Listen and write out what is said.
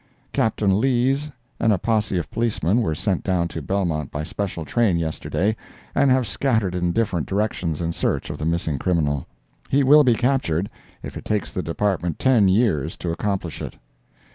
Captain Lees, and a posse of Policemen, were sent down to Belmont by special train, yesterday, and have scattered in different directions in search of the missing criminal. He will be captured, if it takes the department ten years to accomplish it.